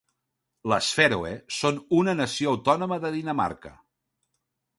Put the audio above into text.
Les Fèroe són una nació autònoma de Dinamarca.